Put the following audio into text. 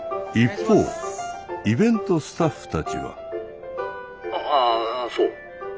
一方イベントスタッフたちは。